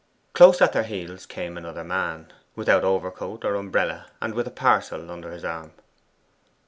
Close at their heels came another man, without over coat or umbrella, and with a parcel under his arm.